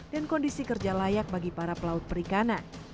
dan kondisi kerja layak bagi para pelaut perikanan